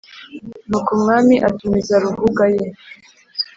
Nuko umwami atumiza Ruhuga ye